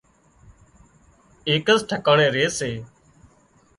ايڪز ٺڪاڻي ري سي